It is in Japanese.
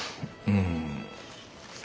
うん。